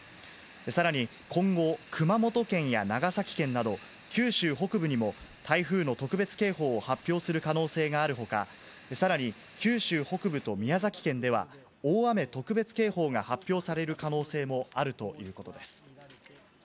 さらに、今後、熊本県や長崎県など、九州北部にも台風の特別警報を発表する可能性があるほか、さらに九州北部と宮崎県では、大雨特別警報が発表される可能性もあるということです。